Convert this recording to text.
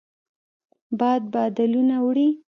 باد بادلونه وړي